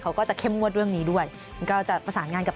เขาก็จะเข้มงวดเรื่องนี้ด้วยก็จะประสานงานกับ